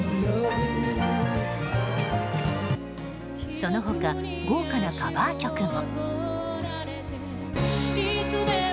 その他、豪華なカバー曲も。